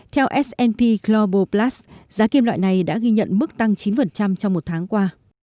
theo s p global plus giá kim loại này đã ghi nhận mức tăng chín trong một tháng qua